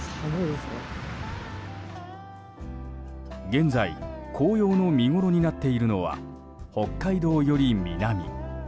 現在、紅葉の見ごろになっているのは、北海道より南。